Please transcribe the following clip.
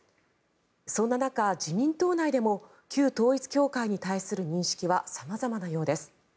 そんな中、自民党内でも旧統一教会に対する認識は様々なようです。